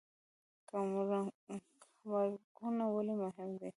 ګمرکونه ولې مهم دي؟